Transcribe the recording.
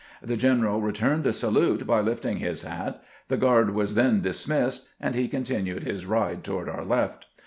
The general returned .the salute by lifting his hat, the guard was then dis missed, and he continued his ride toward our left.